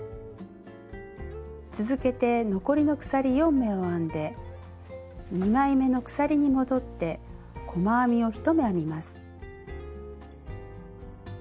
続けて残りの鎖４目を編んで２枚めの鎖に戻って細編みを１目編みます。